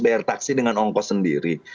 bayar taksi dengan ongkos sendiri